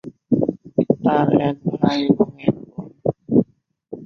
তার এক ভাই এবং এক বোন।